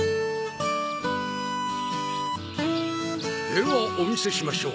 ではお見せしましょう。